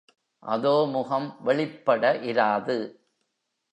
அதோமுகம் வெளிப்பட இராது.